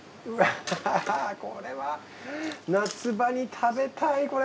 アハハこれは夏場に食べたいこれ。